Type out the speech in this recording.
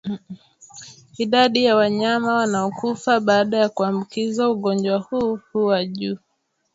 Idadi ya wanyama wanaokufa baada ya kuambukizwa ugonjwa huu huwa juu